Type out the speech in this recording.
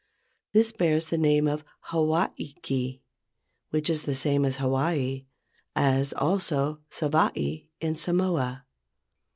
This bears the name Hawaiki, which is the same as Hawai'i as also Savai'i in Samoa.